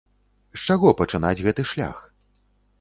З чаго пачынаць гэты шлях?